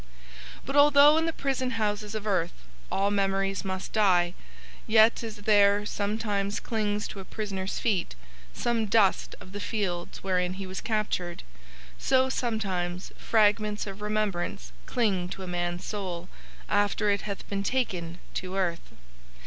"But although in the prison houses of earth all memories must die, yet as there sometimes clings to a prisoner's feet some dust of the fields wherein he was captured, so sometimes fragments of remembrance cling to a man's soul after it hath been taken to earth.